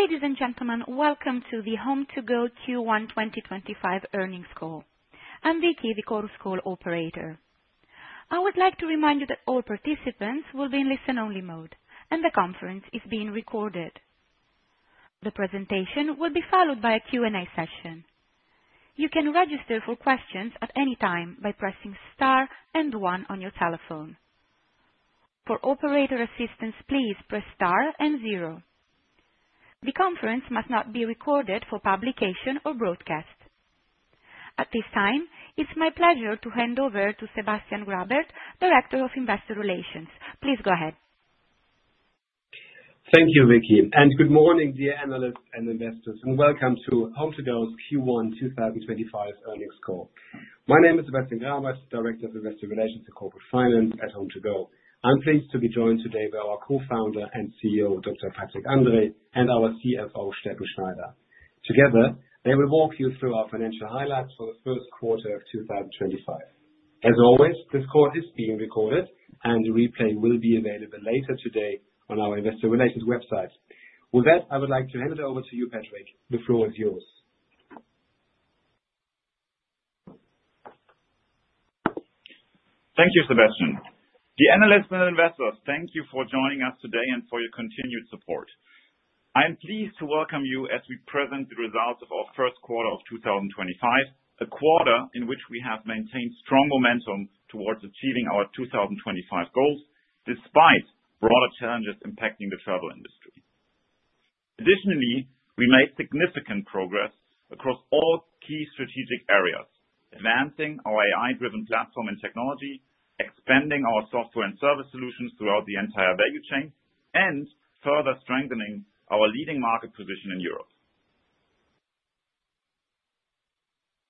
Ladies and gentlemen, welcome to the HomeToGo Q1 2025 Earnings Call. I'm Vicky, the call's call operator. I would like to remind you that all participants will be in listen-only mode, and the conference is being recorded. The presentation will be followed by a Q&A session. You can register for questions at any time by pressing star and one on your telephone. For operator assistance, please press star and zero. The conference must not be recorded for publication or broadcast. At this time, it's my pleasure to hand over to Sebastian Grabert, Director of Investor Relations. Please go ahead. Thank you Vicky and good morning dear analysts and investors and welcome to HomeToGo's Q1 2025 Earnings Call. My name is Sebastian Grabert, Director of Investor Relations and Corporate Finance at HomeToGo. I'm pleased to be joined today by our Co-founder and CEO, Dr. Patrick Andrae, and our CFO, Steffen Schneider. Together, they will walk you through our financial highlights for the first quarter of 2025. As always, this call is being recorded, and the replay will be available later today on our Investor Relations website. With that, I would like to hand it over to you, Patrick. The floor is yours. Thank you Sebastian. Dear analysts and investors, thank you for joining us today and for your continued support. I'm pleased to welcome you as we present the results of our first quarter of 2025, a quarter in which we have maintained strong momentum towards achieving our 2025 goals despite broader challenges impacting the travel industry. Additionally, we made significant progress across all key strategic areas, advancing our AI-driven platform and technology, expanding our software and service solutions throughout the entire value chain, and further strengthening our leading market position in Europe.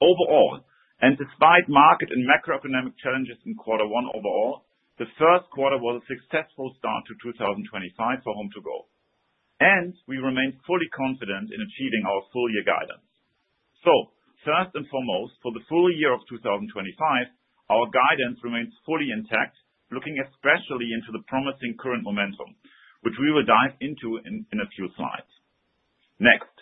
Overall, and despite market and macroeconomic challenges in quarter one overall, the first quarter was a successful start to 2025 for HomeToGo, and we remain fully confident in achieving our full-year guidance. First and foremost, for the full year of 2025, our guidance remains fully intact, looking especially into the promising current momentum, which we will dive into in a few slides. Next,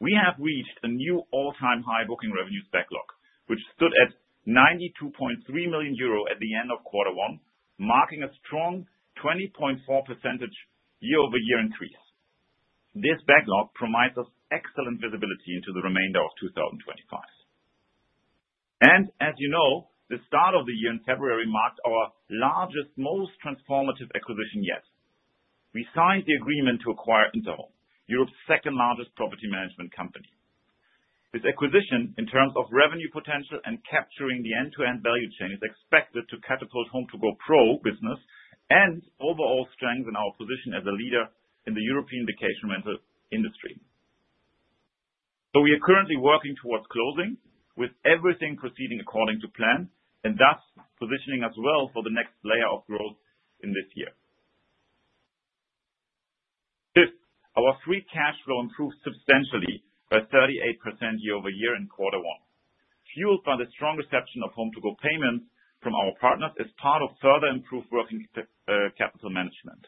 we have reached a new all-time high booking revenue backlog, which stood at 92.3 million euro at the end of quarter one, marking a strong 20.4% year-over-year increase. This backlog provides us excellent visibility into the remainder of 2025. As you know, the start of the year in February marked our largest, most transformative acquisition yet. We signed the agreement to acquire Interhome, Europe's second-largest property management company. This acquisition, in terms of revenue potential and capturing the end-to-end value chain, is expected to catapult HomeToGo Pro business and overall strengthen our position as a leader in the European vacation rental industry. We are currently working towards closing, with everything proceeding according to plan, and thus positioning us well for the next layer of growth in this year. Fifth, our free cash flow improved substantially by 38% year-over-year in quarter one, fueled by the strong reception of HomeToGo Payments from our partners as part of further improved working capital management.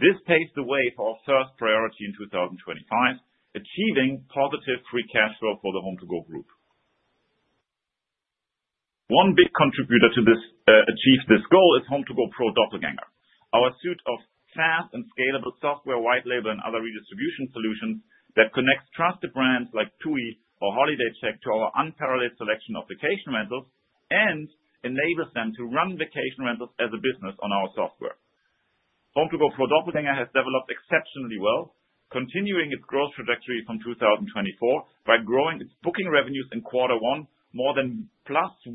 This paved the way for our first priority in 2025, achieving positive free cash flow for the HomeToGo group. One big contributor to achieving this goal is HomeToGo_PRO Doppelgänger, our suite of fast and scalable software, white label, and other redistribution solutions that connects trusted brands like TUI or HolidayCheck to our unparalleled selection of vacation rentals and enables them to run vacation rentals as a business on our software. HomeToGo_PRO Doppelgänger has developed exceptionally well, continuing its growth trajectory from 2024 by growing its booking revenues in quarter one more than +170%.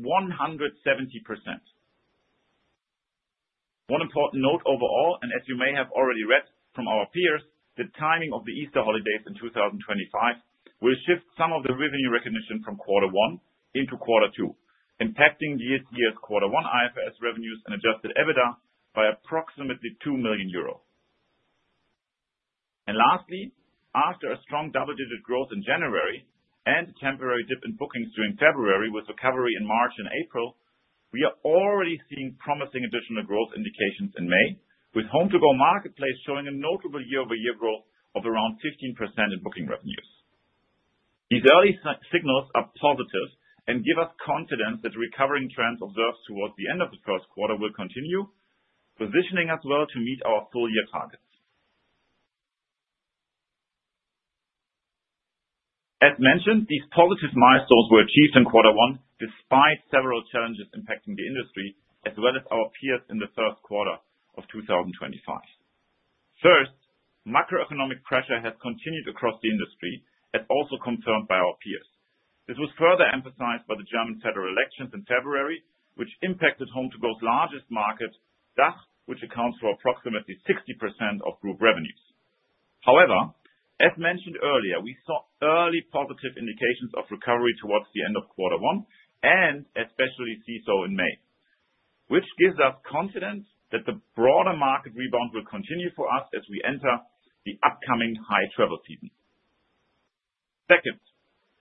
One important note overall, and as you may have already read from our peers, the timing of the Easter holidays in 2025 will shift some of the revenue recognition from quarter one into quarter two, impacting this years quarter one IFRS revenues and Adjusted EBITDA by approximately 2 million euros. Lastly, after a strong double-digit growth in January and a temporary dip in bookings during February with recovery in March and April, we are already seeing promising additional growth indications in May, with HomeToGo Marketplace showing a notable year-over-year growth of around 15% in booking revenues. These early signals are positive and give us confidence that the recovering trends observed towards the end of the first quarter will continue, positioning us well to meet our full-year targets. As mentioned, these positive milestones were achieved in quarter one despite several challenges impacting the industry, as well as our peers in the first quarter of 2025. First, macroeconomic pressure has continued across the industry, as also confirmed by our peers. This was further emphasized by the German federal elections in February, which impacted HomeToGo's largest market, DACH, which accounts for approximately 60% of group revenues. However, as mentioned earlier we saw early positive indications of recovery towards the end of quarter one and especially see so in May, which gives us confidence that the broader market rebound will continue for us as we enter the upcoming high travel season. Second,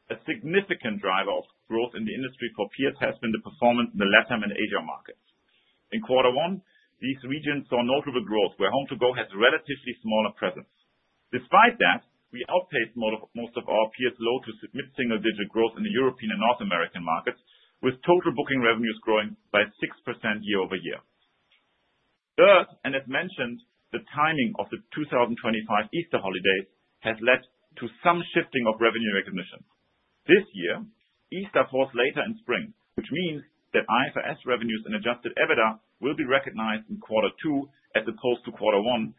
a significant driver of growth in the industry for peers has been the performance in the Latin and Asia markets. In quarter one, these regions saw notable growth, where HomeToGo has a relatively smaller presence. Despite that, we outpaced most of our peers low to mid-single-digit growth in the European and North American markets, with total booking revenues growing by 6% year-over-year. Third, and as mentioned, the timing of the 2025 Easter holidays has led to some shifting of revenue recognition. This year, Easter falls later in spring, which means that IFRS revenues and Adjusted EBITDA will be recognized in quarter two as opposed to quarter one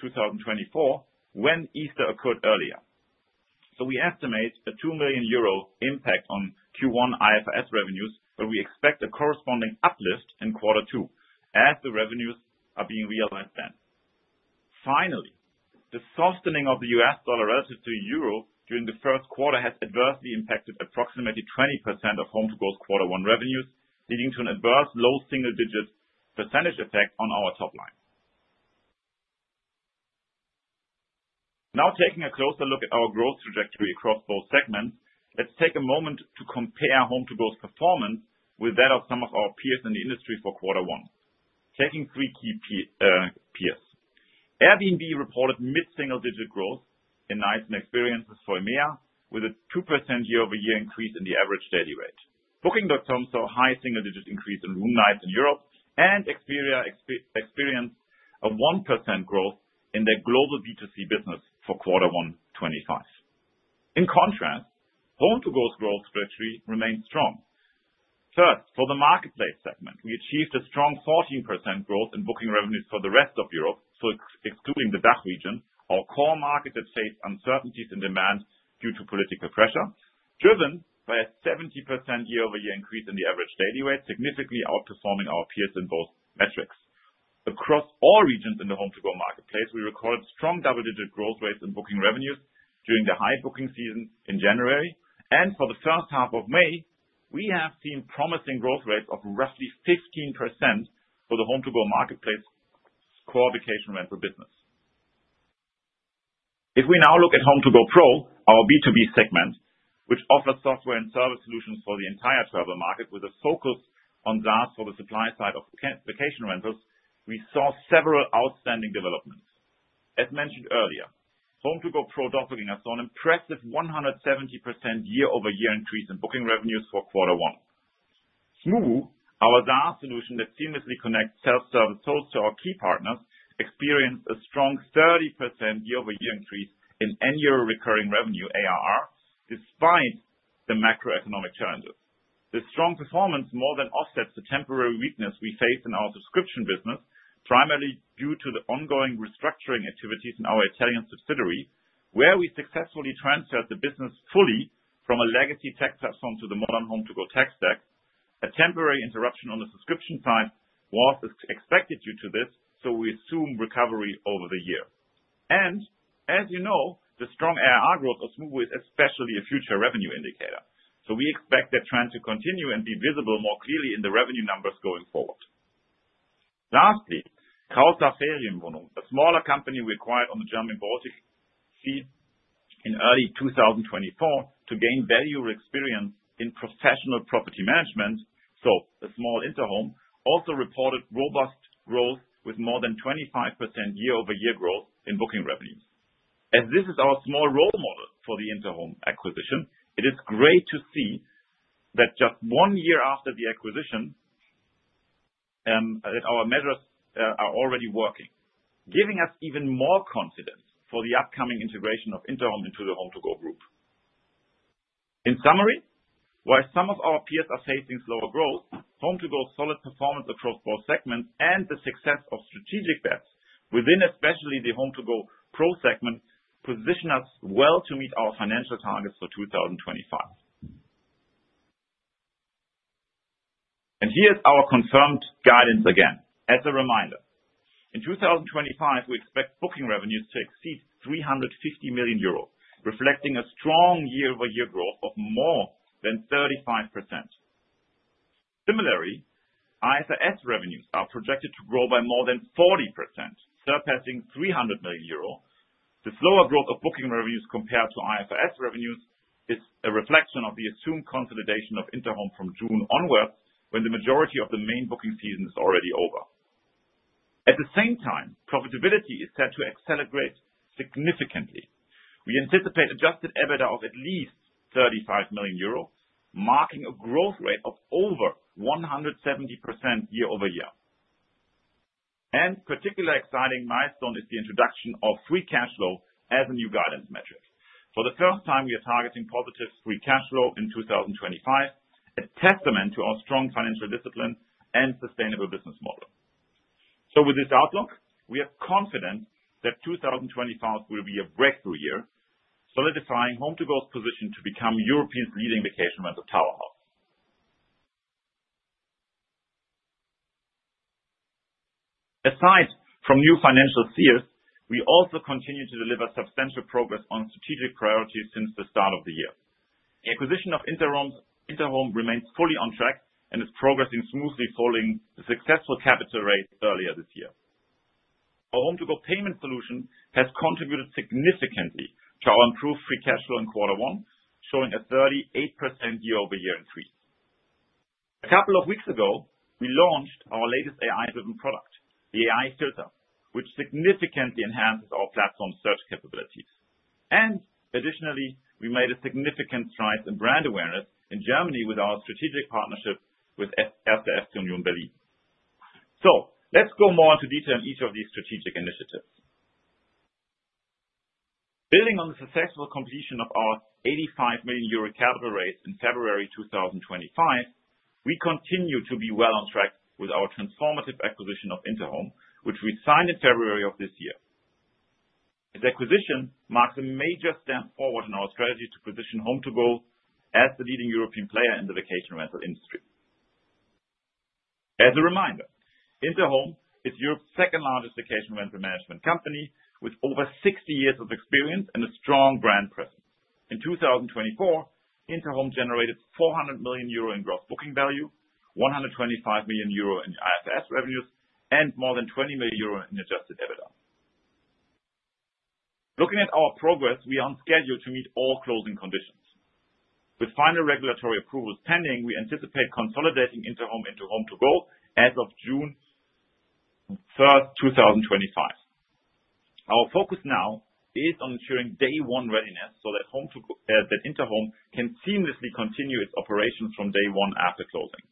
2024, when Easter occurred earlier. We estimate a 2 million euro impact on Q1 IFRS revenues, but we expect a corresponding uplift in quarter two as the revenues are being realized then. Finally, the softening of the US dollar relative to the euro during the first quarter has adversely impacted approximately 20% of HomeToGo's quarter one revenues, leading to an adverse low single-digit % effect on our top line. Now taking a closer look at our growth trajectory across both segments, let's take a moment to compare HomeToGo's performance with that of some of our peers in the industry for quarter one. Taking three key peers, Airbnb reported mid-single-digit growth in nights and experiences for EMEA, with a 2% year-over-year increase in the average daily rate. Booking.com saw a high single-digit increase in room nights in Europe and experience a 1% growth in their global B2C business for quarter one 2025. In contrast, HomeToGo's growth trajectory remains strong. First, for the marketplace segment, we achieved a strong 14% growth in booking revenues for the rest of Europe, excluding the DACH region, our core market that faced uncertainties in demand due to political pressure, driven by a 70% year-over-year increase in the average daily rate, significantly outperforming our peers in both metrics. Across all regions in the HomeToGo marketplace, we recorded strong double-digit growth rates in booking revenues during the high booking season in January. For the first half of May, we have seen promising growth rates of roughly 15% for the HomeToGo marketplace core vacation rental business. If we now look at HomeToGo Pro, our B2B segment, which offers software and service solutions for the entire travel market with a focus on SaaS for the supply side of vacation rentals, we saw several outstanding developments. As mentioned earlier, HomeToGo_PRO Doppelgänger saw an impressive 170% year-over-year increase in booking revenues for quarter one. Smoobu, our SaaS solution that seamlessly connects self-service tools to our key partners, experienced a strong 30% year-over-year increase in annual recurring revenue ARR despite the macroeconomic challenges. This strong performance more than offsets the temporary weakness we faced in our subscription business, primarily due to the ongoing restructuring activities in our Italian subsidiary, where we successfully transferred the business fully from a legacy tech platform to the modern HomeToGo tech stack. A temporary interruption on the subscription side was expected due to this, so we assume recovery over the year. You know, the strong ARR growth of Smoobu is especially a future revenue indicator, so we expect that trend to continue and be visible more clearly in the revenue numbers going forward. Lastly, Carl Safarien Wohnung, a smaller company we acquired on the German Baltic Sea in early 2024 to gain value or experience in professional property management, so a small Interhome, also reported robust growth with more than 25% year-over-year growth in booking revenues. As this is our small role model for the Interhome acquisition, it is great to see that just one year after the acquisition, our measures are already working, giving us even more confidence for the upcoming integration of Interhome into the HomeToGo group. In summary, while some of our peers are facing slower growth, HomeToGo's solid performance across both segments and the success of strategic bets within especially the HomeToGo Pro segment position us well to meet our financial targets for 2025. Here is our confirmed guidance again. As a reminder, in 2025 we expect booking revenues to exceed 350 million euros, reflecting a strong year-over-year growth of more than 35%. Similarly, IFRS revenues are projected to grow by more than 40%, surpassing 300 million euro. The slower growth of booking revenues compared to IFRS revenues is a reflection of the assumed consolidation of Interhome from June onwards, when the majority of the main booking season is already over. At the same time, profitability is set to accelerate significantly. We anticipate adjusted EBITDA of at least 35 million euros, marking a growth rate of over 170% year-over-year. A particularly exciting milestone is the introduction of free cash flow as a new guidance metric. For the first time, we are targeting positive free cash flow in 2025, a testament to our strong financial discipline and sustainable business model. With this outlook, we are confident that 2025 will be a breakthrough year, solidifying HomeToGo's position to become Europe's leading vacation rental powerhouse. Aside from new financial fears, we also continue to deliver substantial progress on strategic priorities since the start of the year. The acquisition of Interhome remains fully on track and is progressing smoothly, following the successful capital raise earlier this year. Our HomeToGo Payments solution has contributed significantly to our improved free cash flow in quarter one, showing a 38% year-over-year increase. A couple of weeks ago, we launched our latest AI-driven product, the AI Filter, which significantly enhances our platform search capabilities. Additionally, we made a significant stride in brand awareness in Germany with our strategic partnership with SAF Studio in Berlin. Let's go more into detail on each of these strategic initiatives. Building on the successful completion of our 85 million euro capital raise in February 2025, we continue to be well on track with our transformative acquisition of Interhome, which we signed in February of this year. This acquisition marks a major step forward in our strategy to position HomeToGo as the leading European player in the vacation rental industry. As a reminder, Interhome is Europe's second-largest vacation rental management company, with over 60 years of experience and a strong brand presence. In 2024, Interhome generated 400 million euro in gross booking value, 125 million euro in IFRS revenues, and more than 20 million euro in adjusted EBITDA. Looking at our progress, we are on schedule to meet all closing conditions. With final regulatory approvals pending, we anticipate consolidating Interhome into HomeToGo as of June 1, 2025. Our focus now is on ensuring day-one readiness so that Interhome can seamlessly continue its operations from day one after closing.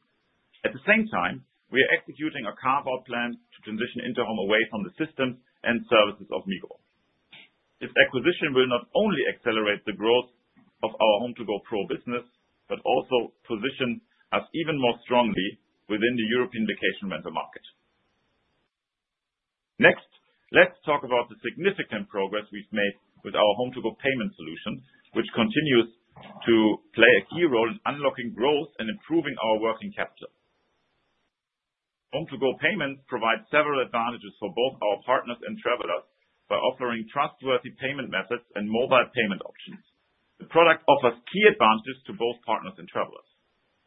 At the same time, we are executing a carve-out plan to transition Interhome away from the systems and services of Migo. This acquisition will not only accelerate the growth of our HomeToGo Pro business but also position us even more strongly within the European vacation rental market. Next, let's talk about the significant progress we've made with our HomeToGo Payments solution, which continues to play a key role in unlocking growth and improving our working capital. HomeToGo Payments provide several advantages for both our partners and travelers by offering trustworthy payment methods and mobile payment options. The product offers key advantages to both partners and travelers.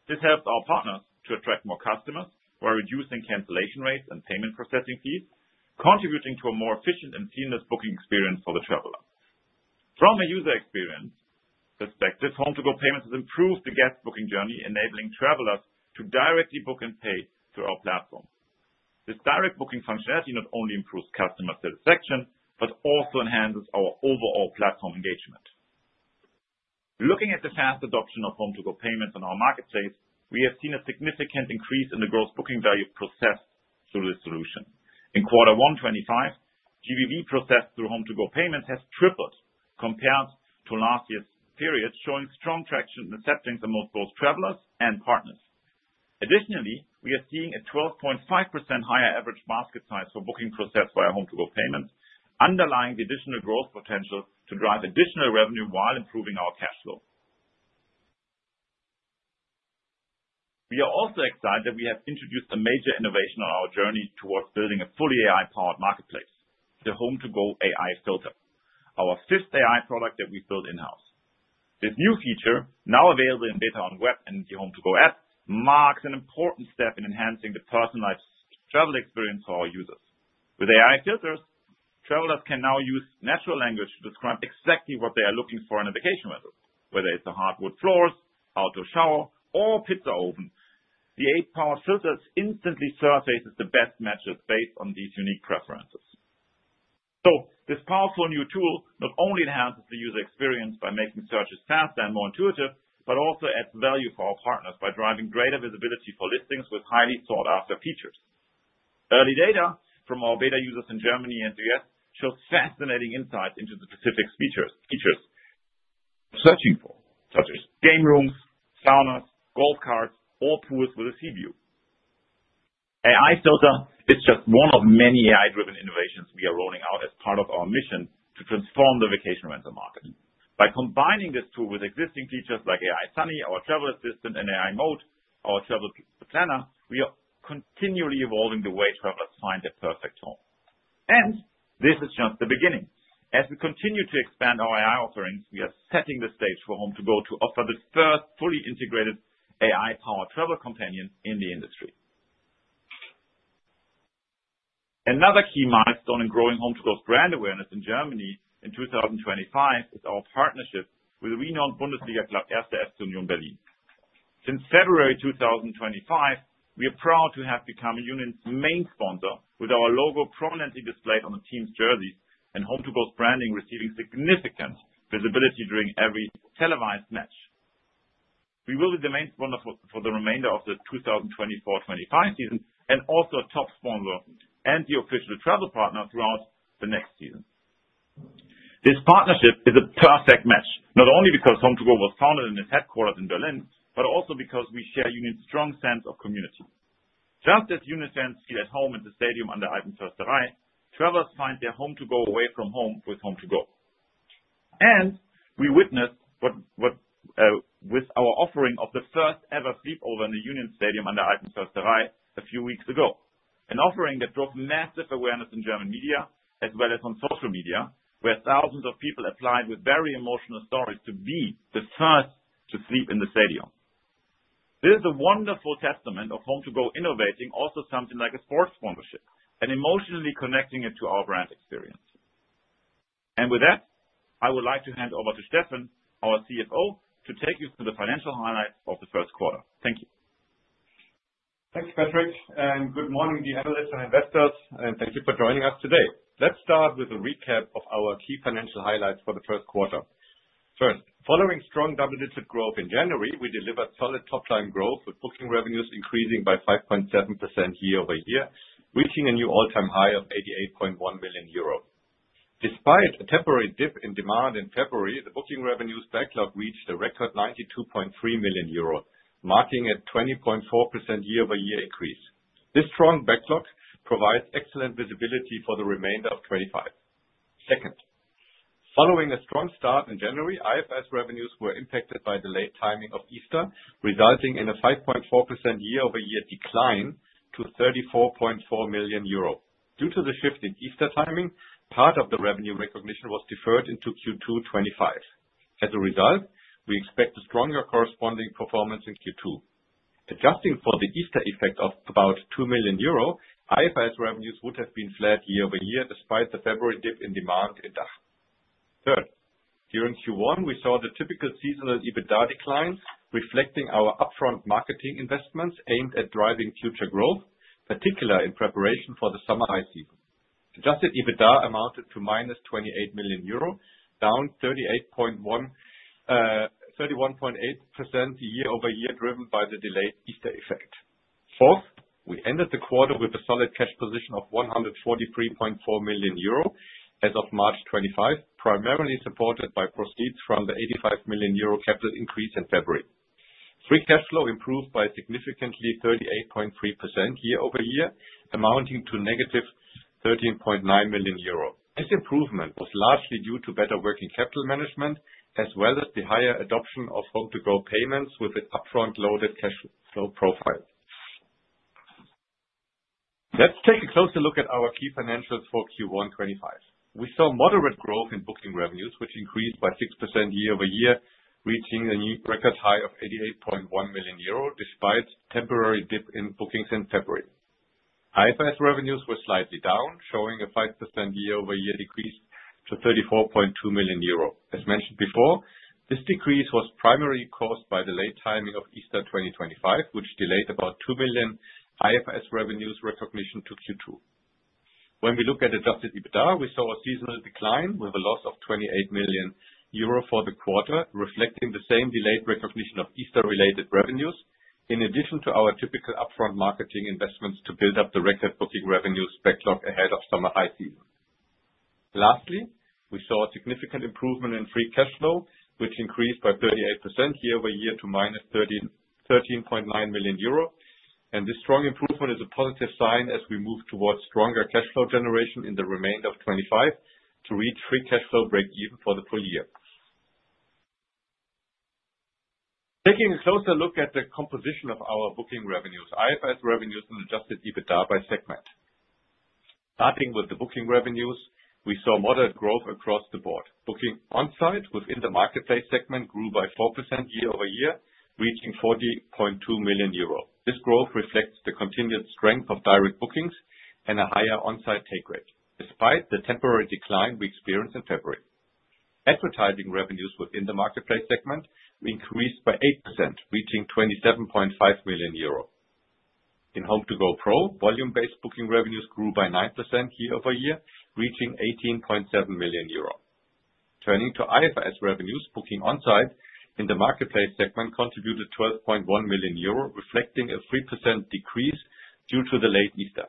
This helps our partners to attract more customers while reducing cancellation rates and payment processing fees, contributing to a more efficient and seamless booking experience for the traveler. From a user experience perspective, HomeToGo Payments has improved the guest booking journey, enabling travelers to directly book and pay through our platform. This direct booking functionality not only improves customer satisfaction but also enhances our overall platform engagement. Looking at the fast adoption of HomeToGo Payments on our marketplace, we have seen a significant increase in the Gross Booking Value processed through this solution. In quarter one 2025, GBV processed through HomeToGo Payments has tripled compared to last year's period, showing strong traction in the settings among both travelers and partners. Additionally, we are seeing a 12.5% higher average basket size for bookings processed via HomeToGo Payments, underlying the additional growth potential to drive additional revenue while improving our cash flow. We are also excited that we have introduced a major innovation on our journey towards building a fully AI-powered marketplace, the HomeToGo AI Filter, our fifth AI product that we built in-house. This new feature, now available in beta on the web and the HomeToGo app, marks an important step in enhancing the personalized travel experience for our users. With AI filters, travelers can now use natural language to describe exactly what they are looking for in a vacation rental, whether it is hardwood floors, outdoor shower, or pizza oven. The AI-powered filters instantly surface the best matches based on these unique preferences. This powerful new tool not only enhances the user experience by making searches faster and more intuitive, but also adds value for our partners by driving greater visibility for listings with highly sought-after features. Early data from our beta users in Germany and the U.S. shows fascinating insights into the specific features searching for, such as game rooms, saunas, golf carts, or pools with a sea view. AI Filter is just one of many AI-driven innovations we are rolling out as part of our mission to transform the vacation rental market. By combining this tool with existing features like AI Sunny, our travel assistant, and AI Mode, our travel planner, we are continually evolving the way travelers find their perfect home. This is just the beginning. As we continue to expand our AI offerings, we are setting the stage for HomeToGo to offer the first fully integrated AI-powered travel companion in the industry. Another key milestone in growing HomeToGo's brand awareness in Germany in 2025 is our partnership with the renowned Bundesliga club 1. FC Union Berlin in Berlin. Since February 2025, we are proud to have become Union's main sponsor, with our logo prominently displayed on the team's jerseys and HomeToGo's branding receiving significant visibility during every televised match. We will be the main sponsor for the remainder of the 2024-2025 season and also a top sponsor and the official travel partner throughout the next season. This partnership is a perfect match, not only because HomeToGo was founded in its headquarters in Berlin, but also because we share Union's strong sense of community. Just as Union fans feel at home in the stadium under Eisernfels' Drei, travelers find their HomeToGo away from home with HomeToGo. We witnessed what with our offering of the first-ever sleepover in the Union Stadium An der Alten Försterei a few weeks ago, an offering that drove massive awareness in German media as well as on social media, where thousands of people applied with very emotional stories to be the first to sleep in the stadium. This is a wonderful testament of HomeToGo innovating also something like a sports sponsorship and emotionally connecting it to our brand experience. With that, I would like to hand over to Steffen, our CFO, to take you through the financial highlights of the first quarter. Thank you. Thanks Patrick. Good morning, dear analysts and investors. Thank you for joining us today. Let's start with a recap of our key financial highlights for the first quarter. First, following strong double-digit growth in January, we delivered solid top-line growth, with booking revenues increasing by 5.7% year-over-year, reaching a new all-time high of 88.1 million euro. Despite a temporary dip in demand in February, the booking revenues backlog reached a record 92.3 million euros, marking a 20.4% year-over-year increase. This strong backlog provides excellent visibility for the remainder of 2025. Second, following a strong start in January, IFRS revenues were impacted by delayed timing of Easter, resulting in a 5.4% year-over-year decline to 34.4 million euro. Due to the shift in Easter timing, part of the revenue recognition was deferred into Q2 2025. As a result, we expect a stronger corresponding performance in Q2. Adjusting for the Easter effect of about 2 million euro, IFRS revenues would have been flat year-over-year despite the February dip in demand in DACH. Third, during Q1 we saw the typical seasonal EBITDA decline, reflecting our upfront marketing investments aimed at driving future growth, particularly in preparation for the summer high season. Adjusted EBITDA amounted to -28 million euro, down 31.8% year-over-year, driven by the delayed Easter effect. Fourth, we ended the quarter with a solid cash position of 143.4 million euro as of March 2025, primarily supported by proceeds from the 85 million euro capital increase in February. Free cash flow improved by significantly 38.3% year-over-year, amounting to negative 13.9 million euro. This improvement was largely due to better working capital management as well as the higher adoption of HomeToGo Payments with its upfront loaded cash flow profile. Let's take a closer look at our key financials for Q1 2025. We saw moderate growth in booking revenues, which increased by 6% year-over-year, reaching a new record high of 88.1 million euro, despite a temporary dip in bookings in February. IFRS revenues were slightly down, showing a 5% year-over-year decrease to 34.2 million euro. As mentioned before, this decrease was primarily caused by the late timing of Easter 2025, which delayed about 2 million IFRS revenues recognition to Q2. When we look at adjusted EBITDA, we saw a seasonal decline with a loss of 28 million euro for the quarter, reflecting the same delayed recognition of Easter-related revenues, in addition to our typical upfront marketing investments to build up the record booking revenues backlog ahead of summer high season. Lastly, we saw a significant improvement in free cash flow, which increased by 38% year-over-year to -13.9 million euro. This strong improvement is a positive sign as we move towards stronger cash flow generation in the remainder of 2025 to reach free cash flow break-even for the full year. Taking a closer look at the composition of our booking revenues, IFRS revenues, and adjusted EBITDA by segment. Starting with the booking revenues, we saw moderate growth across the board. Booking on-site within the marketplace segment grew by 4% year-over-year, reaching 40.2 million euro. This growth reflects the continued strength of direct bookings and a higher on-site take rate, despite the temporary decline we experienced in February. Advertising revenues within the marketplace segment increased by 8%, reaching 27.5 million euro. In HomeToGo Pro, volume-based booking revenues grew by 9% year-over-year, reaching 18.7 million euro. Turning to IFRS revenues, booking on-site in the marketplace segment contributed 12.1 million euro, reflecting a 3% decrease due to the late Easter.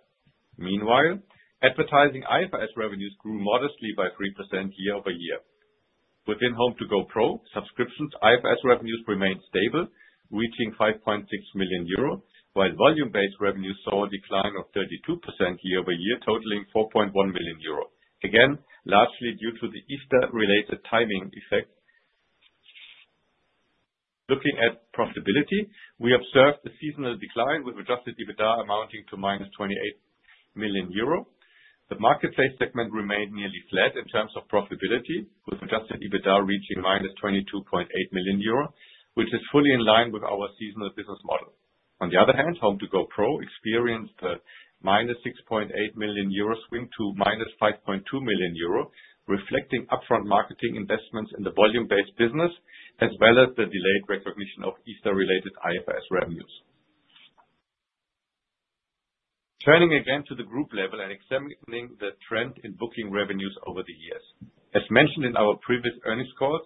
Meanwhile, advertising IFRS revenues grew modestly by 3% year-over-year. Within HomeToGo Pro subscriptions, IFRS revenues remained stable, reaching 5.6 million euro, while volume-based revenues saw a decline of 32% year-over-year, totaling 4.1 million euro, again largely due to the Easter-related timing effect. Looking at profitability, we observed a seasonal decline with adjusted EBITDA amounting to 28 million euro. The marketplace segment remained nearly flat in terms of profitability, with adjusted EBITDA reaching 22.8 million euro, which is fully in line with our seasonal business model. On the other hand, HomeToGo Pro experienced a 6.8 million euro swing to 5.2 million euro, reflecting upfront marketing investments in the volume-based business as well as the delayed recognition of Easter-related IFRS revenues. Turning again to the group level and examining the trend in booking revenues over the years, as mentioned in our previous earnings calls,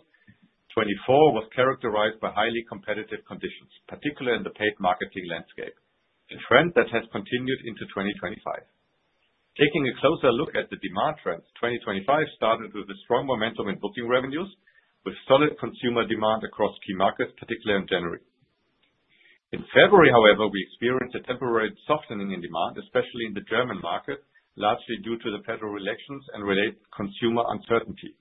2024 was characterized by highly competitive conditions, particularly in the paid marketing landscape, a trend that has continued into 2025. Taking a closer look at the demand trends, 2025 started with a strong momentum in booking revenues, with solid consumer demand across key markets, particularly in January. In February, however, we experienced a temporary softening in demand, especially in the German market, largely due to the federal elections and related consumer uncertainty.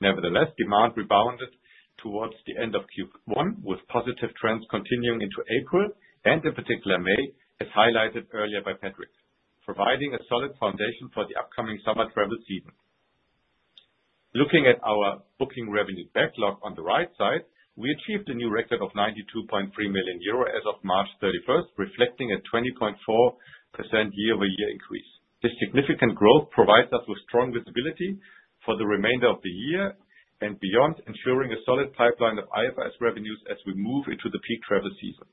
Nevertheless, demand rebounded towards the end of Q1, with positive trends continuing into April and, in particular, May, as highlighted earlier by Patrick, providing a solid foundation for the upcoming summer travel season. Looking at our booking revenue backlog on the right side, we achieved a new record of 92.3 million euro as of March 31, reflecting a 20.4% year-over-year increase. This significant growth provides us with strong visibility for the remainder of the year and beyond, ensuring a solid pipeline of IFRS revenues as we move into the peak travel season.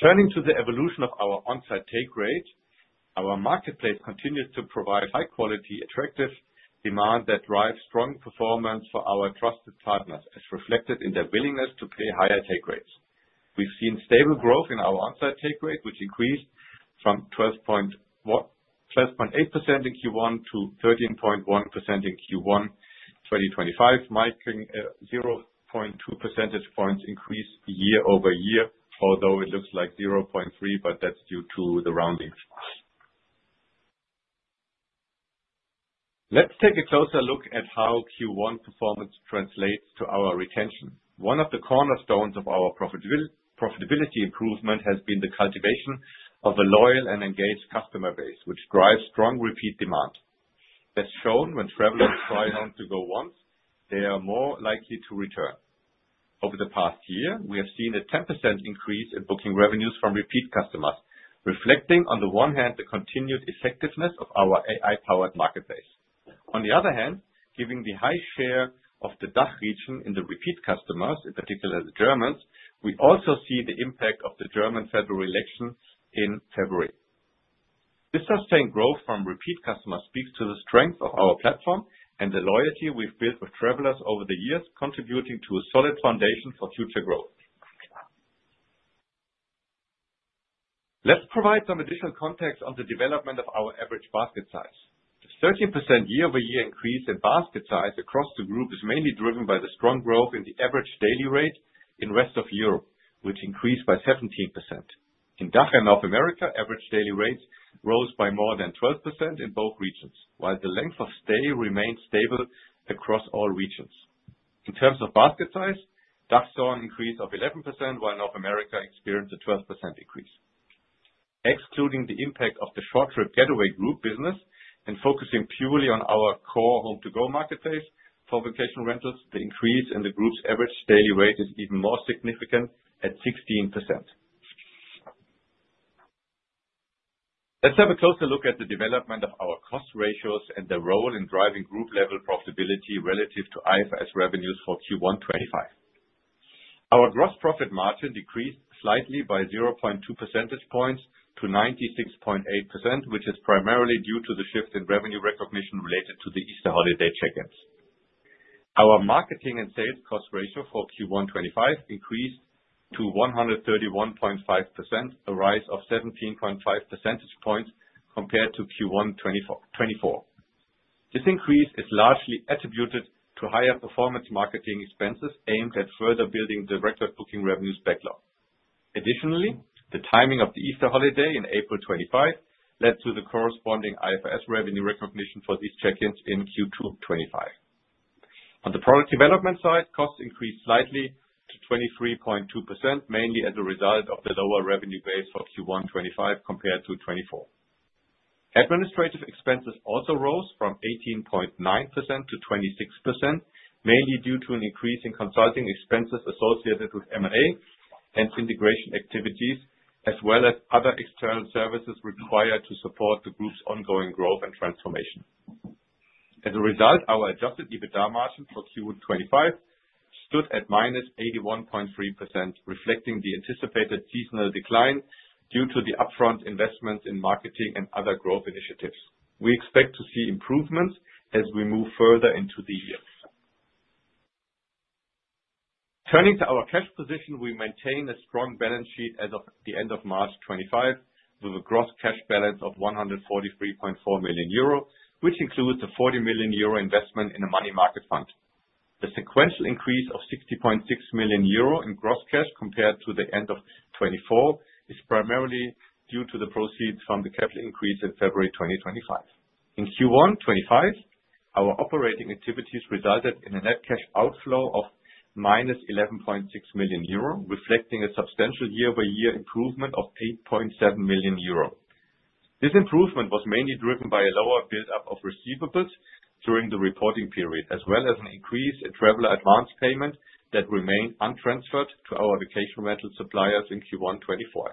Turning to the evolution of our on-site take rate, our marketplace continues to provide high-quality, attractive demand that drives strong performance for our trusted partners, as reflected in their willingness to pay higher take rates. We've seen stable growth in our on-site take rate, which increased from 12.8% in Q1 to 13.1% in Q1 2025, marking a 0.2 percentage points increase year-over-year, although it looks like 0.3, but that's due to the rounding. Let's take a closer look at how Q1 performance translates to our retention. One of the cornerstones of our profitability improvement has been the cultivation of a loyal and engaged customer base, which drives strong repeat demand. As shown, when travelers try HomeToGo once, they are more likely to return. Over the past year, we have seen a 10% increase in booking revenues from repeat customers, reflecting, on the one hand, the continued effectiveness of our AI-powered marketplace. On the other hand, given the high share of the DACH region in the repeat customers, in particular the Germans, we also see the impact of the German federal election in February. This sustained growth from repeat customers speaks to the strength of our platform and the loyalty we've built with travelers over the years, contributing to a solid foundation for future growth. Let's provide some additional context on the development of our average basket size. The 13% year-over-year increase in basket size across the group is mainly driven by the strong growth in the average daily rate in the rest of Europe, which increased by 17%. In DACH and North America, average daily rates rose by more than 12% in both regions, while the length of stay remained stable across all regions. In terms of basket size, DACH saw an increase of 11%, while North America experienced a 12% increase. Excluding the impact of the short trip Getaway group business and focusing purely on our core HomeToGo Marketplace for vacation rentals, the increase in the group's average daily rate is even more significant at 16%. Let's have a closer look at the development of our cost ratios and their role in driving group-level profitability relative to IFRS Revenues for Q1 2025. Our gross profit margin decreased slightly by 0.2 percentage points to 96.8%, which is primarily due to the shift in revenue recognition related to the Easter holiday check-ins. Our marketing and sales cost ratio for Q1 2025 increased to 131.5%, a rise of 17.5 percentage points compared to Q1 2024. This increase is largely attributed to higher performance marketing expenses aimed at further building the record booking revenues backlog. Additionally, the timing of the Easter holiday in April 2025 led to the corresponding IFRS revenue recognition for these check-ins in Q2 2025. On the product development side, costs increased slightly to 23.2%, mainly as a result of the lower revenue base for Q1 2025 compared to 2024. Administrative expenses also rose from 18.9% to 26%, mainly due to an increase in consulting expenses associated with M&A and integration activities, as well as other external services required to support the group's ongoing growth and transformation. As a result, our adjusted EBITDA margin for Q2 2025 stood at -81.3%, reflecting the anticipated seasonal decline due to the upfront investments in marketing and other growth initiatives. We expect to see improvements as we move further into the year. Turning to our cash position, we maintain a strong balance sheet as of the end of March 2025, with a gross cash balance of 143.4 million euro, which includes a 40 million euro investment in a money market fund. The sequential increase of 60.6 million euro in gross cash compared to the end of 2024 is primarily due to the proceeds from the capital increase in February 2025. In Q1 2025, our operating activities resulted in a net cash outflow of -11.6 million euro, reflecting a substantial year-over-year improvement of 8.7 million euro. This improvement was mainly driven by a lower build-up of receivables during the reporting period, as well as an increase in traveler advance payment that remained untransferred to our vacation rental suppliers in Q1 2024.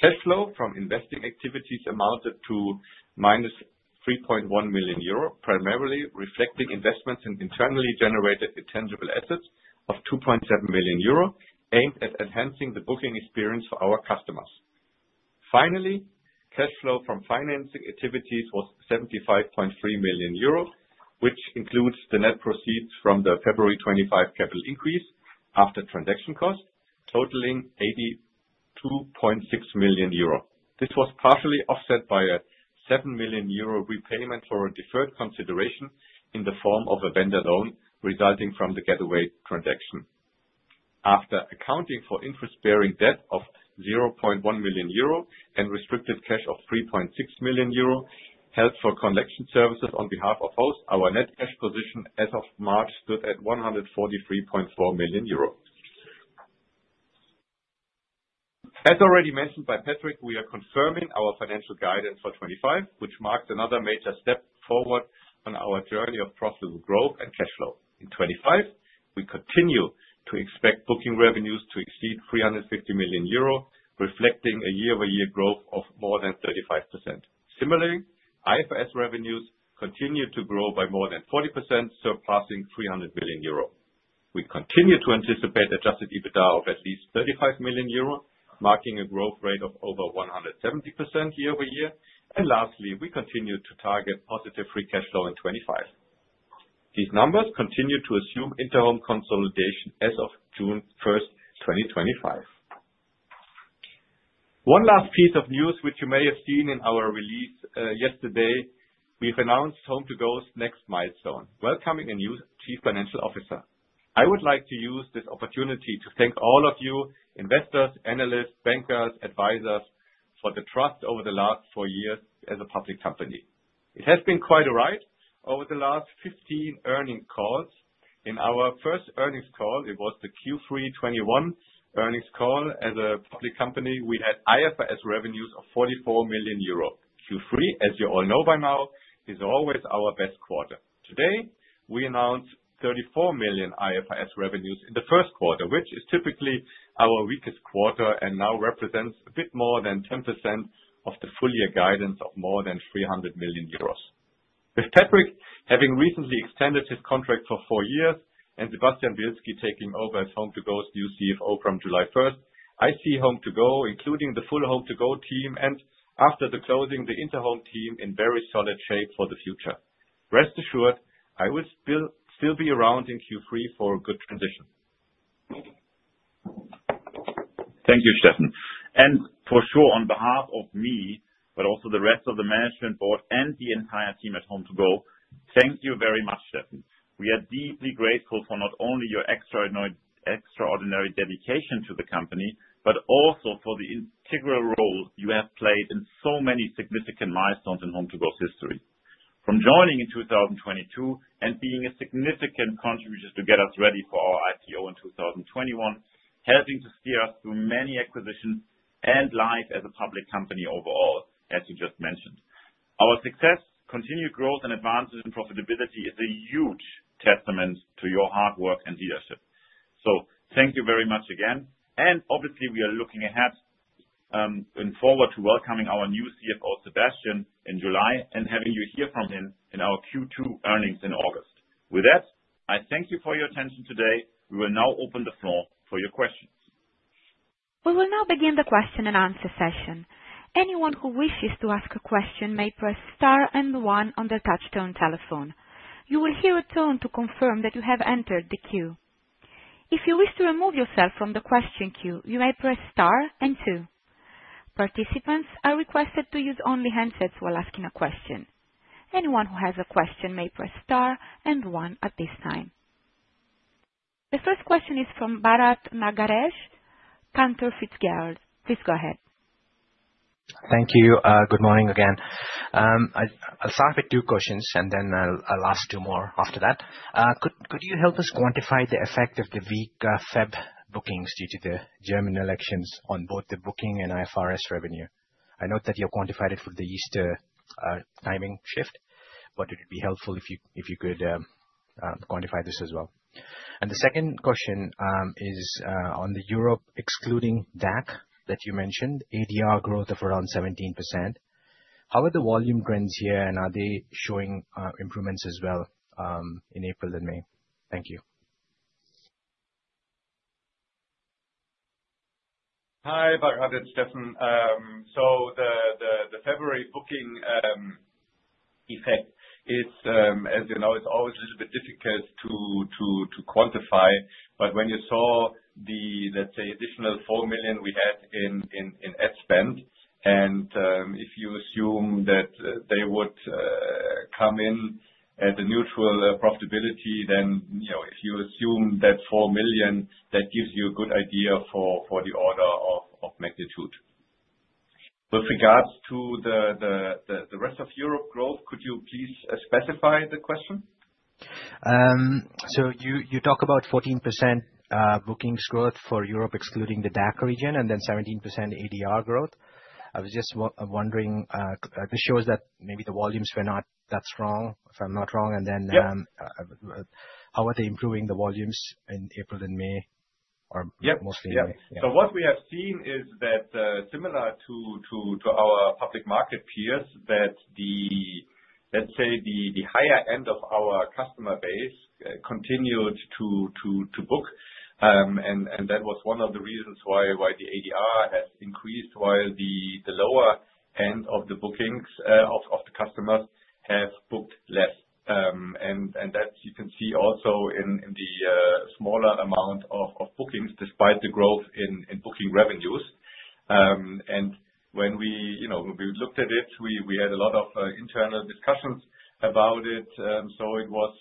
Cash flow from investing activities amounted to -3.1 million euro, primarily reflecting investments in internally generated intangible assets of 2.7 million euro, aimed at enhancing the booking experience for our customers. Finally, cash flow from financing activities was 75.3 million euro, which includes the net proceeds from the February 2025 capital increase after transaction cost, totaling 82.6 million euro. This was partially offset by a 7 million euro repayment for a deferred consideration in the form of a vendor loan resulting from the Getaway transaction. After accounting for interest-bearing debt of 0.1 million euro and restricted cash of 3.6 million euro held for collection services on behalf of hosts, our net cash position as of March stood at 143.4 million euro. As already mentioned by Patrick, we are confirming our financial guidance for 2025, which marks another major step forward on our journey of profitable growth and cash flow. In 2025, we continue to expect booking revenues to exceed 350 million euro, reflecting a year-over-year growth of more than 35%. Similarly, IFRS revenues continue to grow by more than 40%, surpassing 300 million euro. We continue to anticipate adjusted EBITDA of at least 35 million euro, marking a growth rate of over 170% year-over-year. Lastly, we continue to target positive free cash flow in 2025. These numbers continue to assume Interhome consolidation as of June 1, 2025. One last piece of news, which you may have seen in our release yesterday, we've announced HomeToGo's next milestone, welcoming a new Chief Financial Officer. I would like to use this opportunity to thank all of you, investors, analysts, bankers, advisors, for the trust over the last four years as a public company. It has been quite a ride over the last 15 earnings calls. In our first earnings call, it was the Q3 2021 earnings call. As a public company, we had IFRS revenues of 44 million euro. Q3, as you all know by now, is always our best quarter. Today, we announced 34 million IFRS revenues in the first quarter, which is typically our weakest quarter and now represents a bit more than 10% of the full-year guidance of more than 300 million euros. With Patrick having recently extended his contract for four years and Sebastian Bielski taking over as HomeToGo's new CFO from July 1, I see HomeToGo, including the full HomeToGo team, and after the closing, the Interhome team in very solid shape for the future. Rest assured, I will still be around in Q3 for a good transition. Thank you, Steffen. For sure, on behalf of me, but also the rest of the management board and the entire team at HomeToGo, thank you very much, Steffen. We are deeply grateful for not only your extraordinary dedication to the company, but also for the integral role you have played in so many significant milestones in HomeToGo's history. From joining in 2022 and being a significant contributor to get us ready for our IPO in 2021, helping to steer us through many acquisitions and life as a public company overall, as you just mentioned. Our success, continued growth, and advancement in profitability is a huge testament to your hard work and leadership. Thank you very much again. Obviously, we are looking ahead and forward to welcoming our new CFO, Sebastian, in July and having you hear from him in our Q2 earnings in August. With that, I thank you for your attention today. We will now open the floor for your questions. We will now begin the question and answer session. Anyone who wishes to ask a question may press Star and 1 on their touch-tone telephone. You will hear a tone to confirm that you have entered the queue. If you wish to remove yourself from the question queue, you may press Star and 2. Participants are requested to use only handsets while asking a question. Anyone who has a question may press Star and 1 at this time. The first question is from Bharat Nagaraj, Cantor Fitzgerald. Please go ahead. Thank you. Good morning again. I'll start with two questions and then I'll ask two more after that. Could you help us quantify the effect of the weak February bookings due to the German elections on both the booking and IFRS revenue? I note that you quantified it for the Easter timing shift, but it would be helpful if you could quantify this as well. The second question is on the Europe, excluding DACH that you mentioned, ADR growth of around 17%. How are the volume trends here and are they showing improvements as well in April and May? Thank you. Hi, Bharat Nagaraj, Steffen. The February booking effect, as you know, it's always a little bit difficult to quantify. But when you saw the, let's say, additional 4 million we had in ad spend, and if you assume that they would come in at a neutral profitability, then if you assume that 4 million, that gives you a good idea for the order of magnitude. With regards to the rest of Europe growth, could you please specify the question? You talk about 14% bookings growth for Europe, excluding the DACH region, and then 17% ADR growth. I was just wondering, this shows that maybe the volumes were not that strong, if I'm not wrong. How are they improving the volumes in April and May or mostly in May? Yeah. What we have seen is that, similar to our public market peers, the higher end of our customer base continued to book. That was one of the reasons why the ADR has increased, while the lower end of the bookings of the customers have booked less. You can see that also in the smaller amount of bookings, despite the growth in booking revenues. When we looked at it, we had a lot of internal discussions about it. It was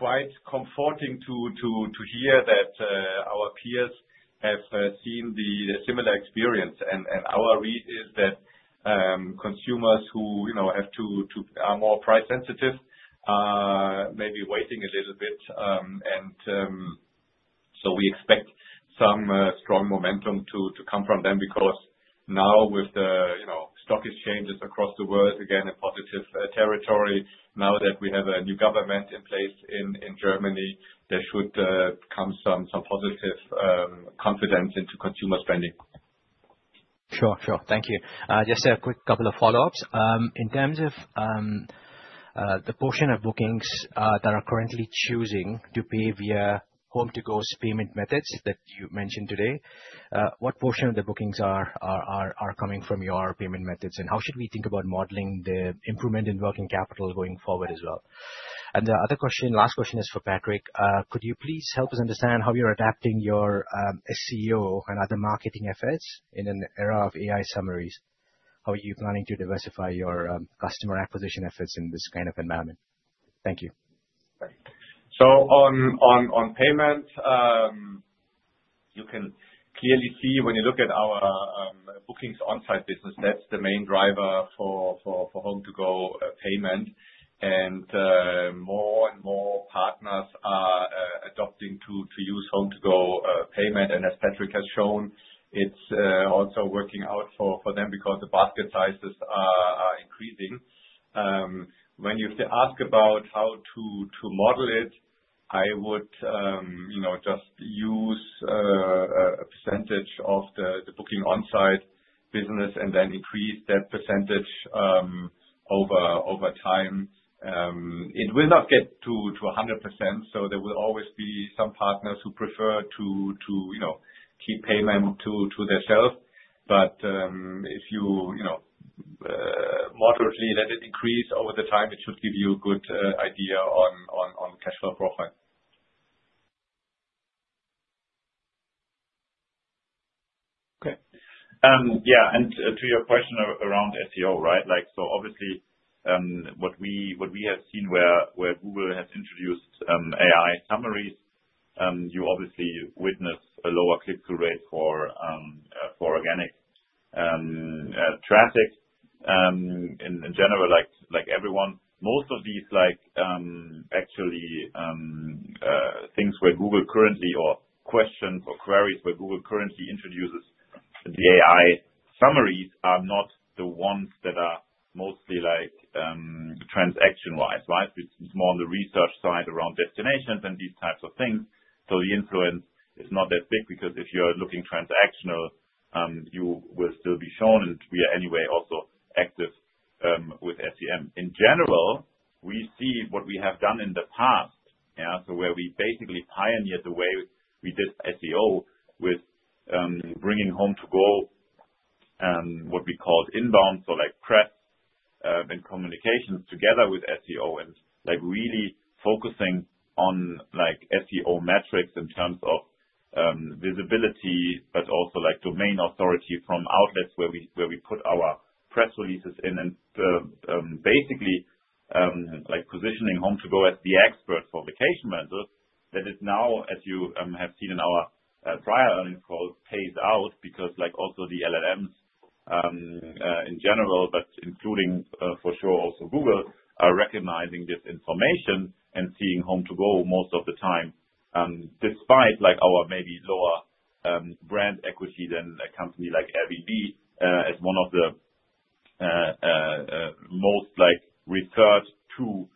quite comforting to hear that our peers have seen a similar experience. Our read is that consumers who are more price-sensitive may be waiting a little bit. We expect some strong momentum to come from them because now, with the stock exchanges across the world again in positive territory, now that we have a new government in place in Germany, there should come some positive confidence into consumer spending. Sure, sure. Thank you. Just a quick couple of follow-ups. In terms of the portion of bookings that are currently choosing to pay via HomeToGo's payment methods that you mentioned today, what portion of the bookings are coming from your payment methods? How should we think about modeling the improvement in working capital going forward as well? The other question, last question is for Patrick. Could you please help us understand how you're adapting your SEO and other marketing efforts in an era of AI summaries? How are you planning to diversify your customer acquisition efforts in this kind of environment? Thank you. On payment, you can clearly see when you look at our bookings on-site business, that's the main driver for HomeToGo payment. More and more partners are adopting to use HomeToGo payment. As Patrick has shown, it's also working out for them because the basket sizes are increasing. When you ask about how to model it, I would just use a percentage of the booking on-site business and then increase that percentage over time. It will not get to 100%, so there will always be some partners who prefer to keep payment to themselves. If you moderately let it increase over the time, it should give you a good idea on cash flow profile. Okay. Yeah. To your question around SEO, right? Obviously, what we have seen where Google has introduced AI summaries, you obviously witness a lower click-through rate for organic traffic in general, like everyone. Most of these actually things where Google currently or questions or queries where Google currently introduces the AI summaries are not the ones that are mostly transaction-wise, right? It is more on the research side around destinations and these types of things. The influence is not that big because if you are looking transactional, you will still be shown. We are anyway also active with SEM. In general, we see what we have done in the past, yeah, so where we basically pioneered the way we did SEO with bringing HomeToGo and what we called inbound, so press and communications together with SEO and really focusing on SEO metrics in terms of visibility, but also domain authority from outlets where we put our press releases in. Basically, positioning HomeToGo as the expert for vacation rentals, that is now, as you have seen in our prior earnings call, pays out because also the LLMs in general, but including for sure also Google, are recognizing this information and seeing HomeToGo most of the time, despite our maybe lower brand equity than a company like Airbnb as one of the most referred-to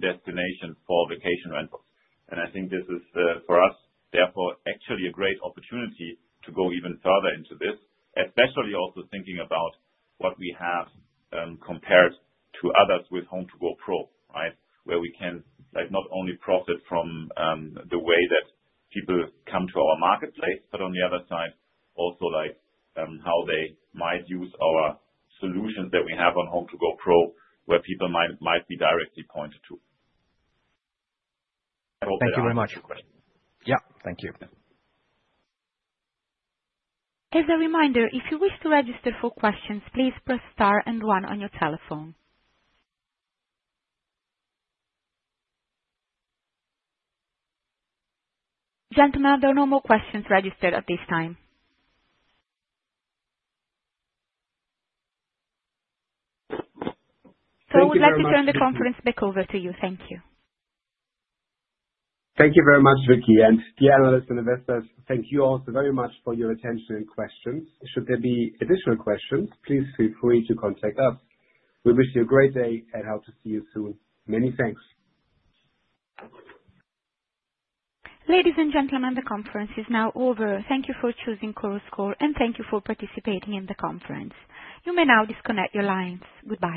destinations for vacation rentals. I think this is, for us, therefore, actually a great opportunity to go even further into this, especially also thinking about what we have compared to others with HomeToGo Pro, right, where we can not only profit from the way that people come to our marketplace, but on the other side, also how they might use our solutions that we have on HomeToGo Pro, where people might be directly pointed to. Thank you very much for your question. Yeah. Thank you. As a reminder, if you wish to register for questions, please press Star and 1 on your telephone. Gentlemen, there are no more questions registered at this time. I would like to turn the conference back over to you. Thank you. Thank you very much, Vicky. Dear analysts and investors, thank you also very much for your attention and questions. Should there be additional questions, please feel free to contact us. We wish you a great day and hope to see you soon. Many thanks. Ladies and gentlemen, the conference is now over. Thank you for choosing HomeToGo, and thank you for participating in the conference. You may now disconnect your lines. Goodbye.